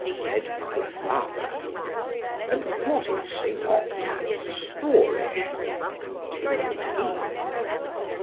said my father: And what is Saint Optat's story? continued he.